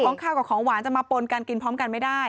ข้าวกับของหวานจะมาปนกันกินพร้อมกันไม่ได้